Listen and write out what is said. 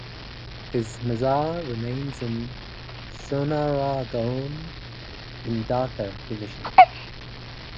His mazar remains in Sonargaon (in Dhaka Division).